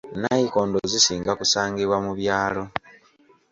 Nayikondo zisinga kusangibwa mu byalo.